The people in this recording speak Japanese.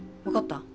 分かった？